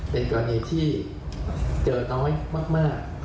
เป็นกรณีที่เจอน้อยมาก